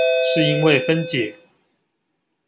是因為分解